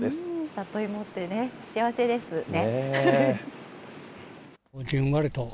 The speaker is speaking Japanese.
里芋ってね、幸せですね。